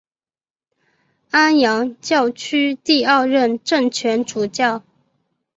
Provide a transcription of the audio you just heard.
安阳教区第二任正权主教。